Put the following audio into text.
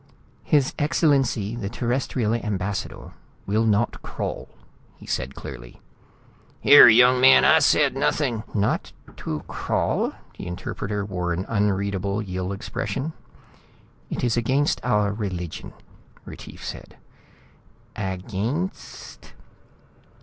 "His Excellency the Terrestrial Ambassador will not crawl," he said clearly. "Here, young man! I said nothing " "Not to crawl?" The interpreter wore an unreadable Yill expression. "It is against our religion," Retief said. "Againsst?"